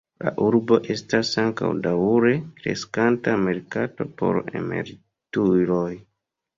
La urbo estas ankaŭ daŭre kreskanta merkato por emerituloj.